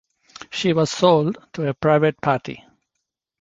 She was sold to a private party.